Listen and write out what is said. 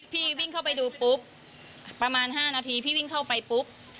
วิ่งเข้าไปดูปุ๊บประมาณ๕นาทีพี่วิ่งเข้าไปปุ๊บ